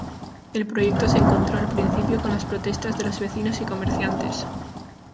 El proyecto se encontró al principio con las protestas de los vecinos y comerciantes.